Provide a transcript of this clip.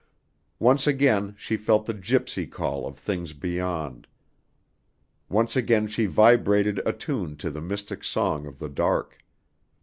Once again she felt the gypsy call of things beyond; once again she vibrated attune to the mystic song of the dark.